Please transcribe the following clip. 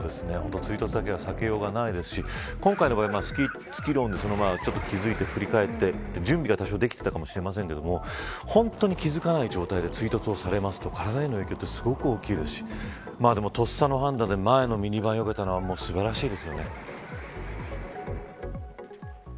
追突だけは避けようがないですし今回はスキール音で気付いて振り返って準備が多少できていたかもしれませんが本当に気付かない状態で追突されると体への影響は大きいですしとっさの判断で、前のミニバンをよけたのは素晴らしいですね。